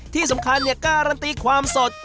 ที่สำคัญการันตีความสด